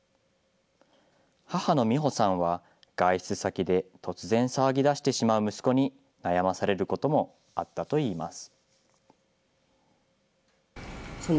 母の美穂さんは、外出先で突然騒ぎだしてしまう息子に悩まされることもあったといいます。